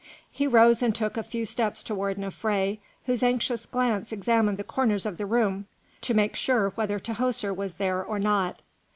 He rose and took a few steps towards Nofré, whose anxious glance examined the corners of the room to make sure whether Tahoser was there or not.